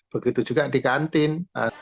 begitu juga di kantin